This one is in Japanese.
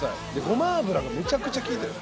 ごま油がめちゃくちゃ効いてる。